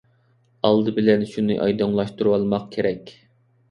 ئالدى بىلەن شۇنى ئايدىڭلاشتۇرۇۋالماق كېرەك.